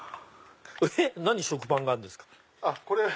何で食パンがあるんですか？